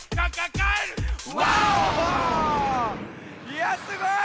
いやすごい！